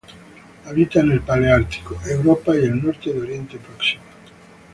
Habita en el paleártico: Europa y el norte de Oriente Próximo.